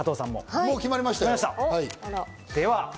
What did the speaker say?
もう決まりましたよ。